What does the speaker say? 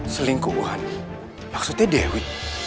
selingkuhan maksudnya dewi